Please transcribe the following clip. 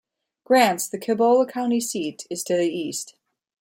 Grants, the Cibola County seat, is to the east.